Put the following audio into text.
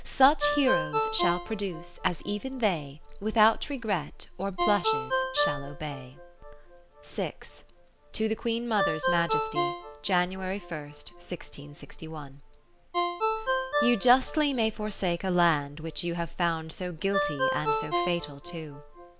Such heroes shall produce, as even they Without regret or blushes shall obey. To the Queen Mother's Majesty, Jan. i, i66y You justly may forsake a land which you Have found so guilty and so fatal too.